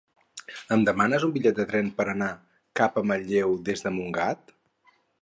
Em demanes un bitllet de tren per anar cap a Manlleu des de Montgat?